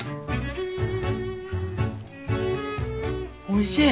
おいしい。